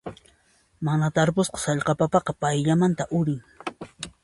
Mana tarpusqa sallqa papaqa payllamanta urin.